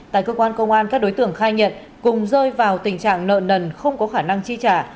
tại cơ quan công an các đối tượng khai nhận cùng rơi vào tình trạng nợ nần không có khả năng chi trả